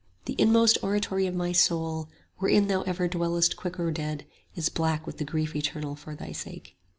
45 The inmost oratory of my soul, Wherein thou ever dwellest quick or dead, Is black with grief eternal for thy sake.